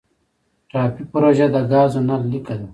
ټاپي پروژه د ګازو نل لیکه ده